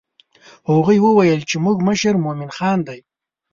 هغوی وویل چې زموږ مشر مومن خان دی.